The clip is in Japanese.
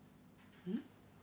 うん？